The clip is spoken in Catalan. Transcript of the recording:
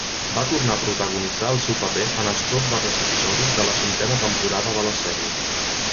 Va tornar a protagonitzar el seu paper en els dos darrers episodis de la cinquena temporada de la sèrie.